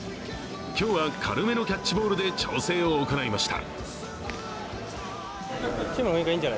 今日は軽めのキャッチボールで調整を行いました。